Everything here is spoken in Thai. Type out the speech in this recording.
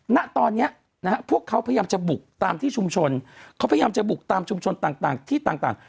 ณตอนนี้นะฮะพวกเขาพยายามจะบุกตามที่ชุมชนเขาพยายามจะบุกตามชุมชนต่างที่ต่าง